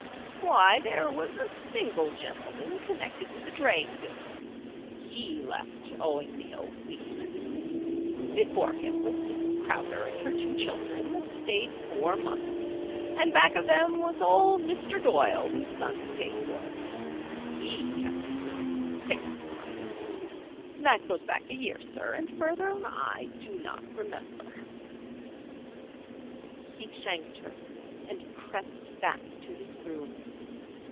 "Why, there was a single gentleman connected with the draying business. He left owing me a week. Before him was Missis Crowder and her two children, that stayed four months; and back of them was old Mr. Doyle, whose sons paid for him. He kept the room six months. That goes back a year, sir, and further I do not remember." He thanked her and crept back to his room.